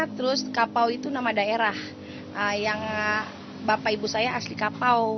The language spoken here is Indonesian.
terus kapau itu nama daerah yang bapak ibu saya asli kapau